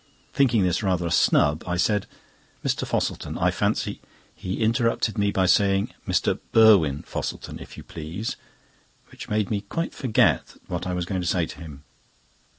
Thinking this rather a snub, I said: "Mr. Fosselton, I fancy—" He interrupted me by saying: "Mr. Burwin Fosselton, if you please," which made me quite forget what I was going to say to him.